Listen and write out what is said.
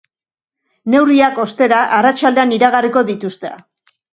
Neurriak, ostera, arratsaldean iragarriko dituzte.